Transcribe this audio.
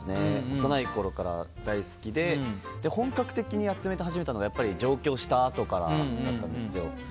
幼いころから大好きで本格的に集め始めたのが上京したあとからだったんですよ。